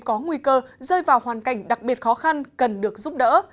có nguy cơ rơi vào hoàn cảnh đặc biệt khó khăn cần được giúp đỡ